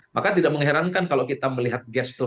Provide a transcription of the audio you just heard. maka tidak mengherankan kalau kita melihat guest speaker